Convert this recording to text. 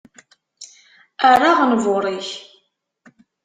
Err aɣenbur-ik.